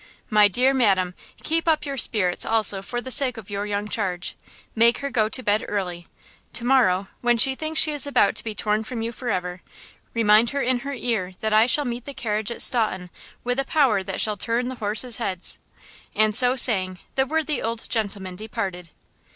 "My dear madam, keep up your spirits also for the sake of your young charge! Make her go to bed early! To morrow, when she thinks she is about to be torn from you forever, remind her in her ear that I shall meet the carriage at Staunton with a power that shall turn the horses' heads." And so saying, the worthy old gentleman departed.